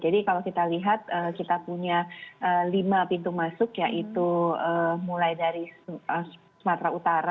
jadi kalau kita lihat kita punya lima pintu masuk yaitu mulai dari sumatera utara